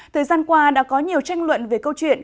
thời gian qua đã có nhiều tranh luận về câu chuyện